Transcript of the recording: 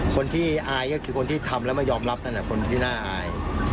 คนที่อายก็คือคนที่ทำแล้วไม่ยอมรับนั่นคนที่น่าอาย